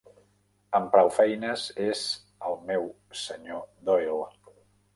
Amb prou feines és el meu senyor Doyle.